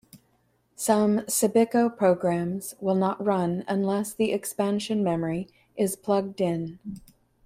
Some Cybiko programs will not run unless the Expansion Memory is plugged in.